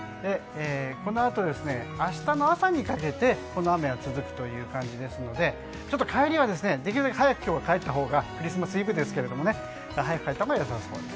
このあと、明日の朝にかけてこの雨が続くという感じですのでちょっと帰りはできるだけ早く帰ったほうがクリスマスイブですが早く帰ったほうが良さそうです。